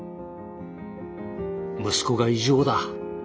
「息子が異常だ」